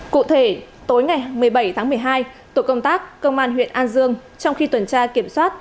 cụ thể tối ngày một mươi bảy tháng một mươi hai tổ công tác công an huyện an dương trong khi tuần tra kiểm soát